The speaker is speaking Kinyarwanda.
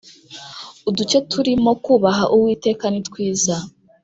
uduke turimo kūbaha uwiteka, ni twiza